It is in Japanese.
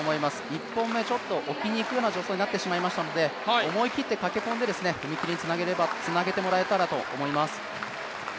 １本目、ちょっと置きにいくような助走になってしまいましたので思い切って駆け込んで踏み切りにつなげてもらえたらと思います。